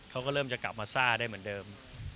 เขาก็เริ่มจะกลับมาซ่าได้เหมือนเดิม